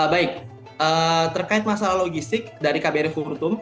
baik terkait masalah logistik dari kbr kuhurtum